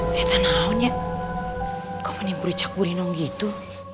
kita naunya kau menipu cak burinong gitu